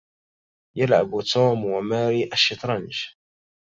يلعب توم وماري الشطرنج.